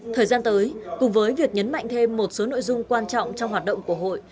thời gian tới cùng với việc nhấn mạnh thêm một số nội dung quan trọng trong hoạt động của hội